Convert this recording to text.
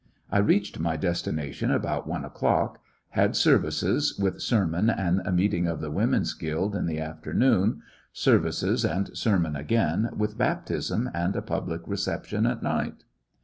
I reached my destination about one o'clock ; had services, with sermon and a meeting of the Women's Guild, in the afternoon 5 services and sermon again, with baptism and a public re ception, at night.